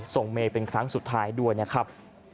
เมย์เป็นครั้งสุดท้ายด้วยนะครับ